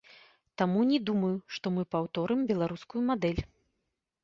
Таму не думаю, што мы паўторым беларускую мадэль.